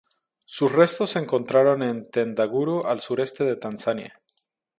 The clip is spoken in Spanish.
Sus restos se encontraron en Tendaguru al sureste de Tanzania.